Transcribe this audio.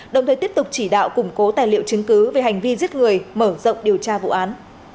đồng thời tiếp tục chỉ đạo củng cố tài liệu chứng cứ về hành vi giết người mở rộng điều tra vụ án